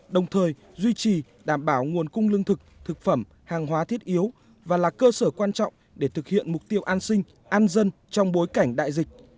đồng thời duy trì đảm bảo nguồn cung lương thực thực phẩm hàng hóa thiết yếu và là cơ sở quan trọng để thực hiện mục tiêu an sinh an dân trong bối cảnh đại dịch